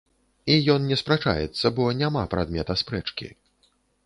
І ён не спрачаецца, бо няма прадмета спрэчкі.